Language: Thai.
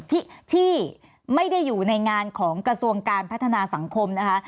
ที่ที่ไม่ได้อยู่ในงานของกระทรวงการพัฒนาสังคมนะคะ